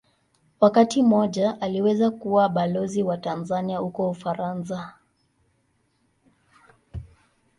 Wakati mmoja aliweza kuwa Balozi wa Tanzania huko Ufaransa.